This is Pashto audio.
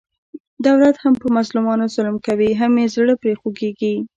دولت هم په مظلومانو ظلم کوي، هم یې زړه پرې خوګېږي.